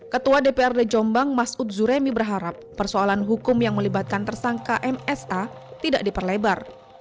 ketua dprd jombang mas ud zuremi berharap persoalan hukum yang melibatkan tersangka msa tidak diperlebar